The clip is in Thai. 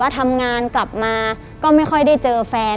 ทำงานกลับมาก็ไม่ค่อยได้เจอแฟน